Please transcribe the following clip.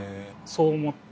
そう思ってもう。